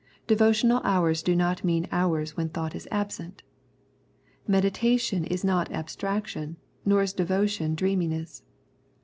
Devotional hours do not mean hours when thought is absent. Meditation is not abstraction, nor is devotion dreaminess.